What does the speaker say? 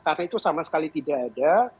karena itu sama sekali tidak ada